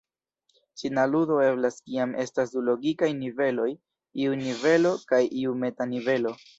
Sinaludo eblas kiam estas du logikaj niveloj, iu nivelo kaj iu meta-nivelo.